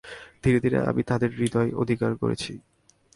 ধীরে ধীরে আমি তাদের হৃদয় অধিকার করেছি।